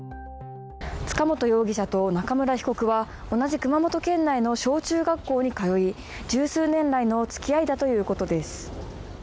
塚本容疑者と中村被告は同じ熊本県内の小・中学校に通い１０数年来の付き合いだということです。